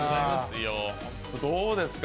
どうですか？